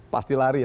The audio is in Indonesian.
pasti lari ya